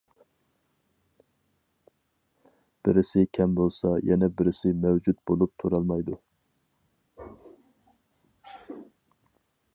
بىرسى كەم بولسا يەنە بىرسى مەۋجۇت بولۇپ تۇرالمايدۇ.